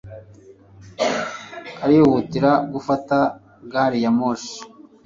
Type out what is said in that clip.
Arihutira gufata gari ya moshi.